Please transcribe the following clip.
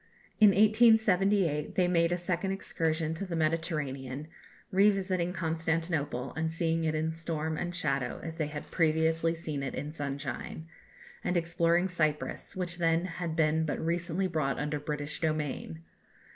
In 1878 they made a second excursion to the Mediterranean, revisiting Constantinople, and seeing it in storm and shadow as they had previously seen it in sunshine; and exploring Cyprus, which then had been but recently brought under British dominion.